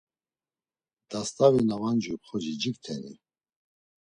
Dast̆avi na va mcuy xoci cikteni?